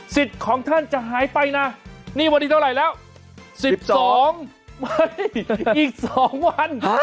สิทธิ์ของท่านจะหายไปนะวันนี้เท่าไรแล้ว๑๒อีก๒วัน